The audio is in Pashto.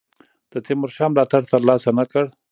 د تیمورشاه ملاتړ تر لاسه نه کړ.